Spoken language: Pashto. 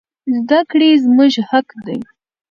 زدکړي زموږ حق دي